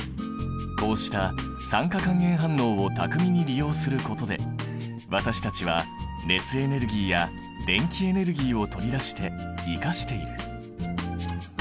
こうした酸化還元反応を巧みに利用することで私たちは熱エネルギーや電気エネルギーを取り出して生かしている。